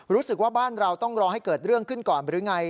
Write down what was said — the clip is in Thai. รู้สึกว่าบ้านเราต้องรอให้เกิดเรื่องขึ้นก่อนหรือไง